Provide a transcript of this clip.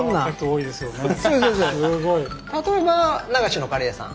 例えば流しのカレー屋さん。